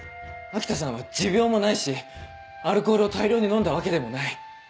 秋田さんは持病もないしアルコールを大量に飲んだわけでもない。